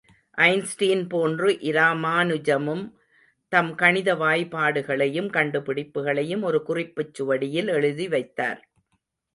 Einstein போன்று இராமானுஜமும் தம் கணித வாய்பாடுகளையும் கண்டுபிடிப்புகளையும் ஒரு குறிப்புச் சுவடியில் எழுதிவைத்தார்.